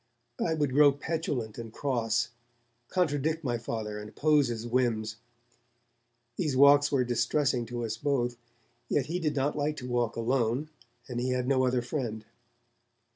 I would grow petulant and cross, contradict my Father, and oppose his whims. These walks were distressing to us both, yet he did not like to walk alone, and he had no other friend.